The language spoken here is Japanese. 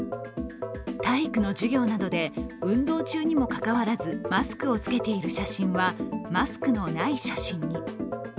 体育の授業などで運動中にもかかわらずマスクを着けている写真はマスクのない写真に。